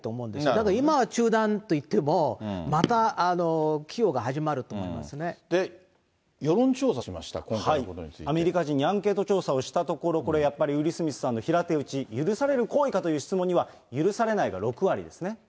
だから今は中断といっても、世論調査しました、今回のこアメリカ人にアンケート調査をしたところ、これやっぱり、ウィル・スミスさんの平手打ち、許される行為かという質問には、許されないが６割ですね。